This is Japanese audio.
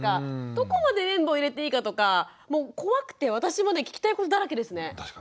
どこまで綿棒を入れていいかとか怖くて私も聞きたいことだらけですね。